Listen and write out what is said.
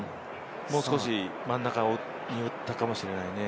もう少し真ん中に寄ったかもしれないね。